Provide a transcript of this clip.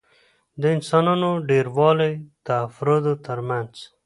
د انسانانو ډېروالي د افرادو ترمنځ